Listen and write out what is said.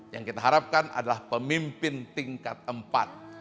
yang kita harapkan adalah pemimpin tingkat empat